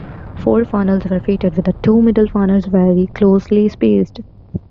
Four funnels were fitted, with the two middle funnels very closely spaced.